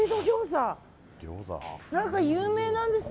何か有名なんですよ。